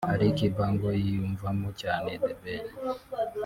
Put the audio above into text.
Ali Kiba ngo yiyumvamo cyane The Ben